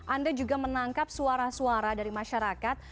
anda juga menangkap suara suara dari masyarakat